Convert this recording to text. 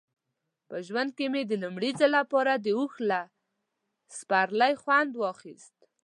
په ژوند کې مې د لومړي ځل لپاره د اوښ له سپرلۍ خوند واخیست.